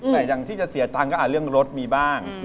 แต่อย่างที่จะเสียตังค์ก็เรื่องรถมีบ้าง